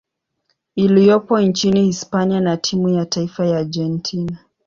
iliyopo nchini Hispania na timu ya taifa ya Argentina.